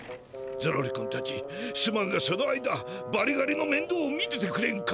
ゾロリ君たちすまんがその間バリガリのめんどうを見ててくれんか？